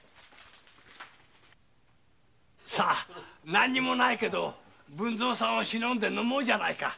何にもないけど文造さんを偲んで飲もうじゃないか。